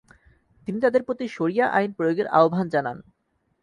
তিনি তাদের প্রতি শরিয়া আইন প্রয়োগের আহ্বান জানান।